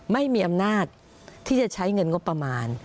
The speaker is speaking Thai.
ไม่มีอำนาจที่จะใช้เงินงบประมาณ